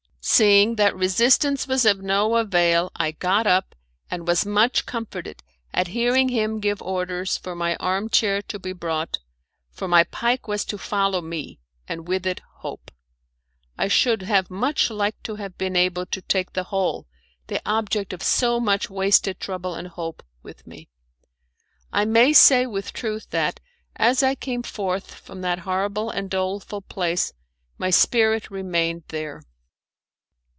Seeing that resistance was of no avail, I got up, and was much comforted at hearing him give orders for my arm chair to be brought, for my pike was to follow me, and with it hope. I should have much liked to have been able to take the hole the object of so much wasted trouble and hope with me. I may say with truth that, as I came forth from that horrible and doleful place, my spirit remained there.